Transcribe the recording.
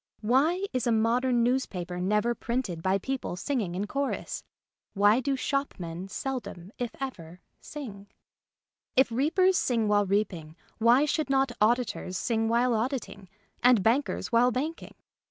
Why is a [io6] The Little Birds Who Won't Sing modern newspaper never printed by people singing in chorus ? Why do shopmen sel I' dom, if ever, sing? If reapers sing while reaping, why should not auditors sing while auditing and bank ers while banking